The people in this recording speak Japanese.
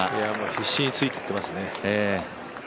必死についてってますね。